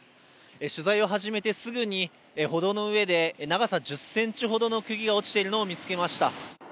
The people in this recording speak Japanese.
取材を始めてすぐに、歩道の上で長さ１０センチほどのくぎが落ちているのを見つけまし